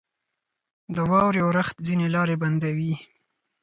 • د واورې اورښت ځینې لارې بندوي.